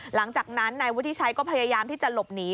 หลังจากนั้นนายวุฒิชัยก็พยายามที่จะหลบหนี